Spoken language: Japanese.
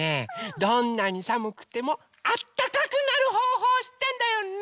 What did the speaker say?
どんなにさむくてもあったかくなるほうほうをしってんだよ。ね！